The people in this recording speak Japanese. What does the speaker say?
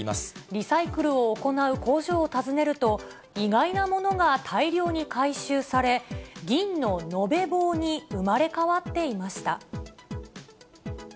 リサイクルを行う工場を訪ねると、意外なものが大量に回収され、銀の延べ棒に生まれ変わっていました。